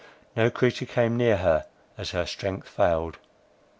No creature came near her, as her strength failed.